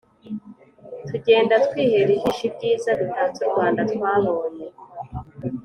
tugenda twihera ijisho ibyiza bitatse u Rwanda. Twabonye